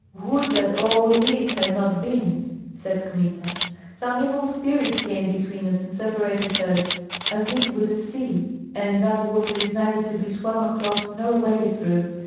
"Would that all this had not been!" said Kmita. "Some evil spirit came between us and separated us as if with a sea, and that water is neither to be swum across nor waded through.